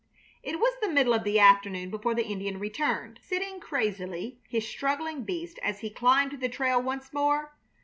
It was the middle of the afternoon before the Indian returned, sitting crazily his struggling beast as he climbed the trail once more.